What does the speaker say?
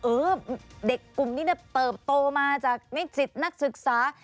เออเด็กกลุ่มนี้เติบโตมาจากนิจิตนักศึกษา